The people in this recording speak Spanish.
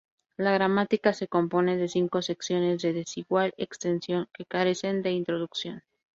La gramática se compone de cinco secciones de desigual extensión, que carecen de introducción.